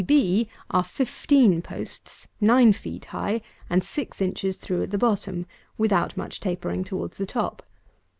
242. b b b are fifteen posts, nine feet high, and six inches through at the bottom, without much tapering towards the top.